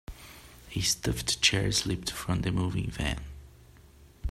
A stuffed chair slipped from the moving van.